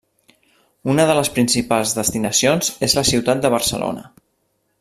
Una de les principals destinacions és la ciutat de Barcelona.